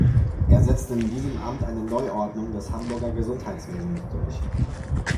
Er setzte in diesem Amt eine Neuordnung des Hamburger Gesundheitswesens durch.